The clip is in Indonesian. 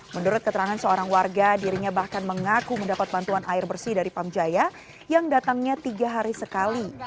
menurut keterangan seorang warga dirinya bahkan mengaku mendapat bantuan air bersih dari pamjaya yang datangnya tiga hari sekali